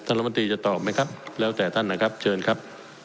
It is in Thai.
รัฐมนตรีจะตอบไหมครับแล้วแต่ท่านนะครับเชิญครับ